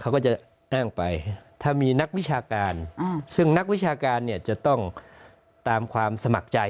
เขาก็จะนั่งไปถ้ามีนักวิชาการซึ่งนักวิชาการเนี่ยจะต้องตามความสมัครใจ